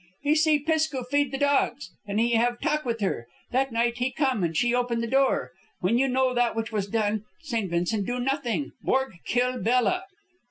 "He see Pisk ku feed the dogs, and he have talk with her. That night he come and she open the door. Then you know that which was done. St. Vincent do nothing, Borg kill Bella.